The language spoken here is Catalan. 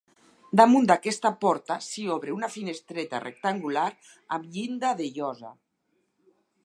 Damunt d'aquesta porta s'hi obre una finestreta rectangular amb llinda de llosa.